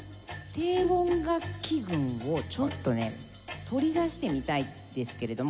低音楽器群をちょっとね取り出してみたいんですけれども。